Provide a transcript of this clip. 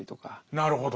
なるほど。